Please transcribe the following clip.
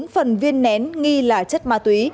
bốn phần viên nén nghi là chất ma túy